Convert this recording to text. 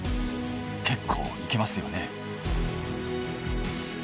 結構行けますよね。